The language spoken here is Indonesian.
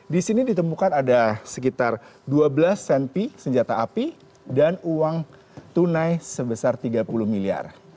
di sini ditemukan ada sekitar dua belas senpi senjata api dan uang tunai sebesar tiga puluh miliar